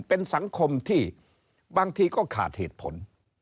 เป็นสังคมที่บางทีก็ขาดเหตุผล